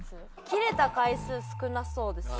キレた回数少なそうですよ。